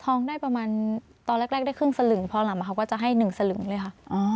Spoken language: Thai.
พองได้ประมาณตอนแรกได้ครึ่งสลึงพอหลังเขาก็จะให้๑สลึงเลยค่ะ